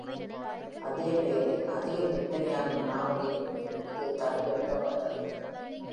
அதே பெயரில் அதிகம் விற்பனையாகும் நாவலில் இருந்து இது தழுவி எடுக்கப்பட்டது.